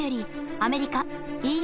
アメリカＥＵ